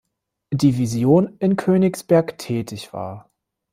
Division in Königsberg tätig war.